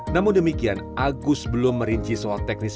namun demikian agus belum merinci soal teknis